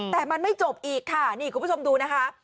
แต่มันไม่จบอีกค่ะนี่คุณผู้ชมดูนะคะ